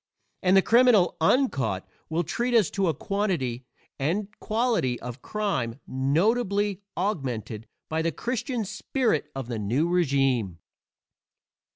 And the criminal uncaught will treat us to a quantity and quality of crime notably augmented by the Christian spirit of the new régime.